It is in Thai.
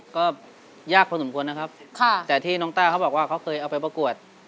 ก็ยากพอสมควรนะครับแต่ที่น้องต้าเขาบอกว่าเขาเคยเอาไปประกวด